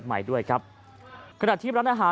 จำนวนนักท่องเที่ยวที่เดินทางมาพักผ่อนเพิ่มขึ้นในปีนี้